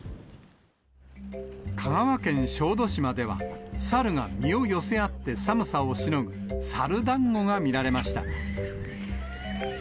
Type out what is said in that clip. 香川県小豆島では、サルが身を寄せ合って寒さをしのぐ、サルだんごが見られました。